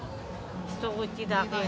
一口だけや。